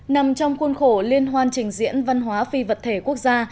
nằm trong khuôn khổ liên hoan trình diễn văn hóa phi vật thể quốc gia